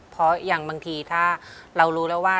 เพราะอย่างบางทีถ้าเรารู้แล้วว่า